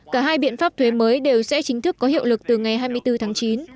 cả hai biện pháp thuế mới đều sẽ chính thức có hiệu lực từ ngày hai mươi bốn tháng chín